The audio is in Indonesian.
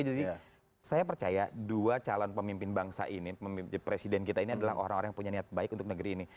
jadi saya percaya dua calon pemimpin bangsa ini pemimpin presiden kita ini adalah orang orang yang punya niat baik untuk negeri ini